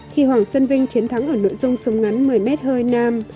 khi hoàng xuân vinh chiến thắng ở nội dung súng ngắn một mươi m hơi nam